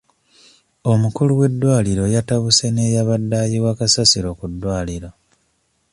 Omukulu w'eddwaliro yatabuse n'eyabadde ayiwa kasasiro ku ddwaliro.